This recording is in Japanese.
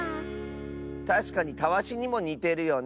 たしかにたわしにもにてるよね。